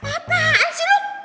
apaan sih lu